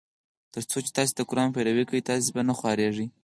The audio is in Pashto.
تر څو چي تاسي د قرآن پیروي کوی تاسي به نه خوارېږی.